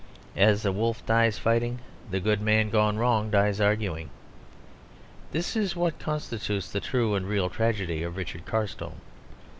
As the wolf dies fighting, the good man gone wrong dies arguing. This is what constitutes the true and real tragedy of Richard Carstone.